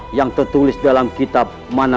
otaknya terasa ingin berdamai di sada weren't